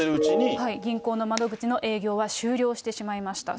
銀行の窓口の営業は終了してしまいました。